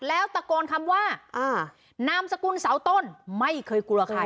แล้วตะโกนคำว่านามสกุลเสาต้นไม่เคยกลัวใคร